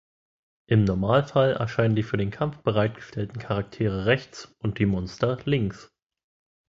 Im Normalfall erscheinen die für den Kampf bereitgestellten Charaktere rechts und die Monster links.